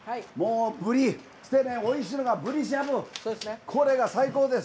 ブリ、おいしいのがブリしゃぶこれが最高です。